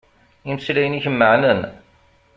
Imeslayen-ik meɛnen.